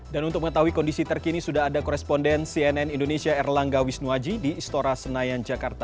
dan untuk mengetahui kondisi terkini sudah ada koresponden cnn indonesia erlang gawis nuwaji di istora senayan jakarta